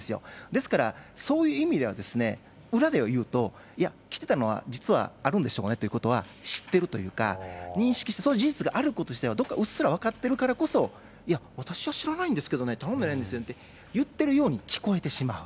ですからそういう意味では、裏では言うと、いや、きてたのは実はあるんでしょうねということは知ってるというか、認識した、そういう事実があるということはうっすら分かってるからこそ、いや、私は知らないんですけどね、頼んでないんですけどねって言ってるように聞こえてしまう。